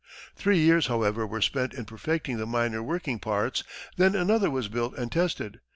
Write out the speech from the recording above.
Three years, however, were spent in perfecting the minor working parts, then another was built and tested.